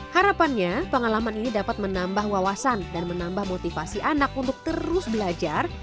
harapannya pengalaman ini dapat menambah wawasan dan menambah motivasi anak untuk terus belajar